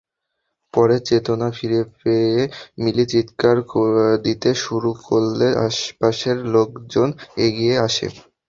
পরে চেতনা ফিরে পেয়ে মিলি চিৎকার দিতে শুরু করলে আশপাশের লোকজন এগিয়ে আসে।